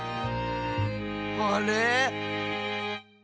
あれ？